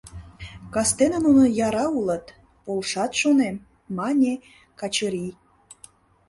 Кастене нуно яра улыт, полшат, шонем, — мане Качырий.